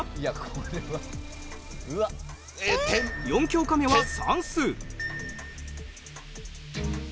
４教科目は算数。